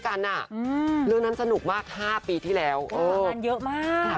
ถึง๔ปีนะคะ